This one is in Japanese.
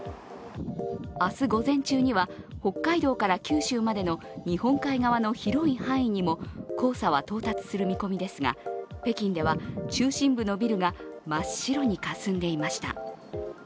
明日午前中には北海道から九州までの日本海側の広い範囲にも黄砂は到達する見込みですが、北京では中心部のビルが真っ白にかすんでいました。